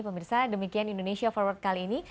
pemirsa demikian indonesia forward kali ini